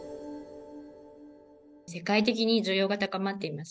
世界的に需要が高まっています。